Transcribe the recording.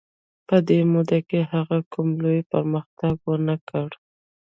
په دې موده کې هغه کوم لوی پرمختګ ونه کړ.